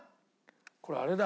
これあれだ。